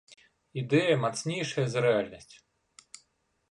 Ідэя мацнейшая за рэальнасць.